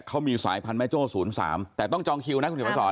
เขามีสายพันธุ์แม่โจ้ศูนย์สามแต่ต้องจองคิวนะคุณผู้ชมสอน